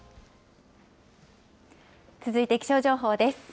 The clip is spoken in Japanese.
続いて気象情報です。